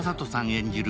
演じる